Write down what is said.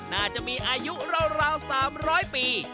น่าจะมีอายุราว๓๐๐ปี